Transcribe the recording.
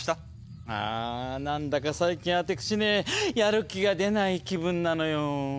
あぁなんだか最近アテクシねやる気が出ない気分なのよ。